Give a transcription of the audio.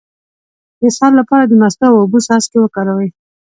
د اسهال لپاره د مستو او اوبو څاڅکي وکاروئ